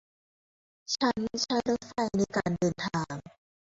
ฉันใช้รถไฟในการเดินทาง